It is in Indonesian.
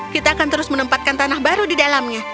kita akan terus menempatkan tanah baru di dalamnya